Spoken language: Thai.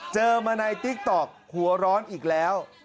เจอมาในติ๊กต๊อกหัวร้อนอีกแล้ว